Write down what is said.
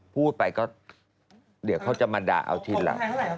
พูดไปก็เดี๋ยวเขาจะมาด่าเอาทีหลัง